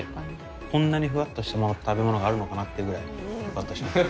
・こんなにふわっとした食べ物があるのかなっていうぐらいふわっとしてる。